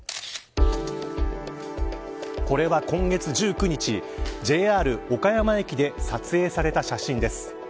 これは今月１９日、ＪＲ岡山駅で撮影された写真です。